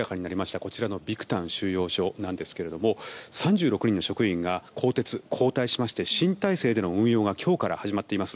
こちらのビクタン収容所なんですけれども３６人の職員が更迭・交代しまして新体制での運用が今日から始まっています。